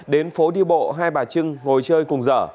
đến phố đi bộ hai bà trưng ngồi chơi cùng dở